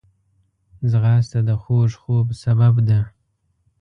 ځغاسته د خوږ خوب سبب ده